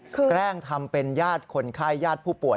แกล้งทำเป็นญาติคนไข้ญาติผู้ป่วย